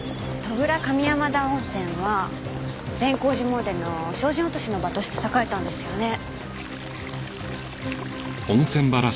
戸倉上山田温泉は善光寺詣での精進落としの場として栄えたんですよね。